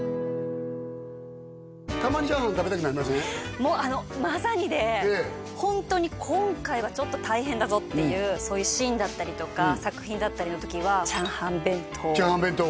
もうまさにでホントに今回はちょっと大変だぞっていうそういうシーンだったりとか作品だったりの時は炒飯弁当炒飯弁当を？